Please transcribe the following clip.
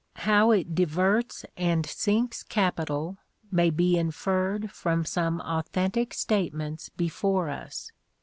How it diverts and sinks capital may be inferred from some authentic statements before us.